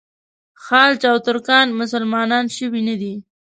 خلج او ترکان مسلمانان شوي نه دي.